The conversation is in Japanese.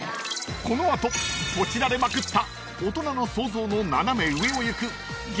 ［この後ポチられまくった大人の想像の斜め上をいく激